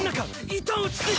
一旦落ち着いて。